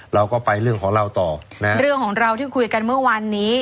เราก็ไปเรื่องของเราต่อนะเรื่องของเราที่คุยกันเมื่อวานนี้